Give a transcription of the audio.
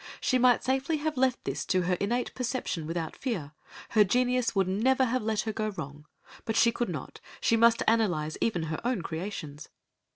She might safely have left this to her innate perception without fear, her genius would never have let her go wrong, but she could not, she must analyse even her own creations.